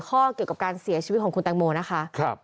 ข้อเกี่ยวกับการเสียชีวิตของคุณแตงโมนะคะ